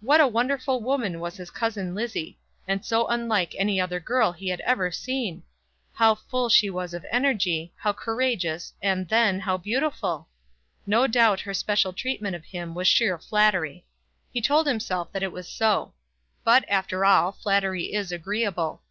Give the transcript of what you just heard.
What a wonderful woman was his cousin Lizzie; and so unlike any other girl he had ever seen! How full she was of energy, how courageous, and, then, how beautiful! No doubt her special treatment of him was sheer flattery. He told himself that it was so. But, after all, flattery is agreeable.